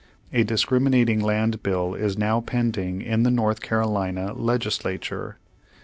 A discriminating land bill is now pending in the North Carolina legislature.